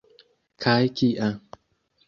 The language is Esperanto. Kaj kia!